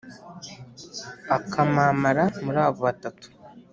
akamamara muri abo batatu